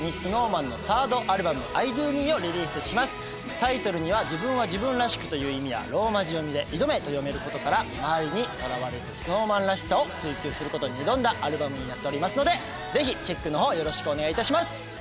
タイトルには自分は自分らしくという意味やローマ字読みで「ｉＤＯＭＥ」と読める事から周りにとらわれずＳｎｏｗＭａｎらしさを追求する事に挑んだアルバムになっておりますので是非チェックの方よろしくお願いいたします。